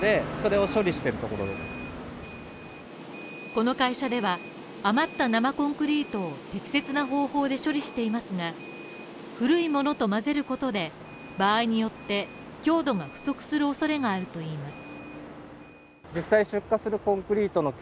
この会社では余った生コンクリートを適切な方法で処理していますが、古いものと混ぜることで、場合によって強度が不足する恐れがあるといいます。